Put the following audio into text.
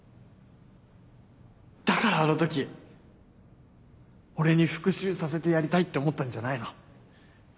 だからあの時俺に復讐させてやりたいって思ったんじゃないの？